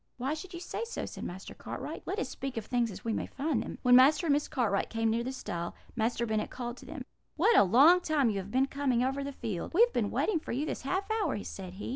"'Why should you say so?' said Master Cartwright. 'Let us speak of things as we may find them.' "When Master and Miss Cartwright came near the stile, Master Bennet called to them: "'What a long time you have been coming over the field! We have been waiting for you this half hour,' said he.